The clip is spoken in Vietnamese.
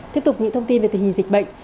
tiếp tục những thông tin về tình hình dịch bệnh